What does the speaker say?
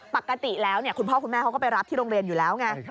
ปกติแล้วคุณพ่อคุณแม่เขาก็ไปรับที่โรงเรียนอยู่แล้วไง